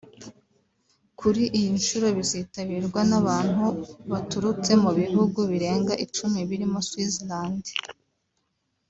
kuri iyi nshuro bizitabirwa n’abantu baturutse mu bihugu birenga icumi birimo Switzerland